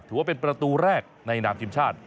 ถือว่าเป็นประตูแรกในนามทีมชาติ